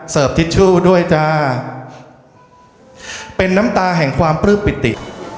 ทิชชู่ด้วยจ้าเป็นน้ำตาแห่งความปลื้มปิติ